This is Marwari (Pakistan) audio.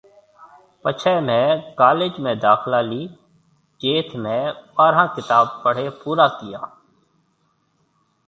پڇي مهيَ ڪولِيج ۾ داکلا لِي جٿ مهيَ ٻاره ڪتاب پڙهيَ پورا ڪيا۔